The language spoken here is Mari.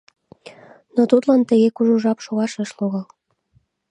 Но тудлан тыге кужу жап шогаш ыш логал.